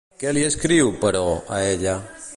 Què li escriu, però, a ella?